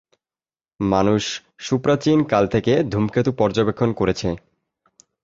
মানুষ সুপ্রাচীন কাল থেকে ধূমকেতু পর্যবেক্ষণ করছে।